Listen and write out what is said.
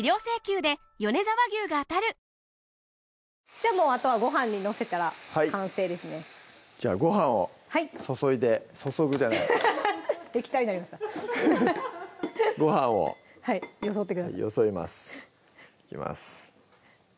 じゃあもうあとはご飯に載せたら完成ですねじゃあご飯を注いで注ぐじゃない液体になりましたご飯をよそいますいきます